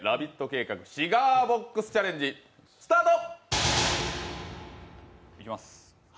計画シガーボックスチャレンジスタート！